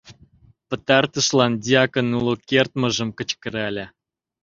Пытартышлан дьякон уло кертмыжым кычкырале: